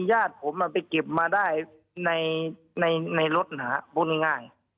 มีญาติผมอ่ะไปเก็บมาได้ในรถหนาพูดง่าย